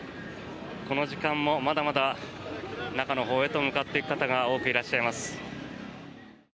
この時間もまだまだ中のほうへと向かっていく方が多くいらっしゃいます。